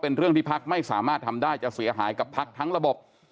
เรื่องที่พักไม่สามารถทำได้จะเสียหายกับพักทั้งระบบ